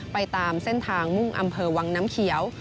ไปตามเส้นทางมุ่งอำเภอวังน้ำเขียว